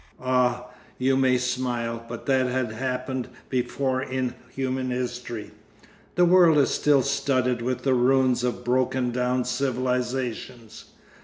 Ah, you may smile, but that had happened before in human history. The world is still studded with the ruins of broken down civilisations.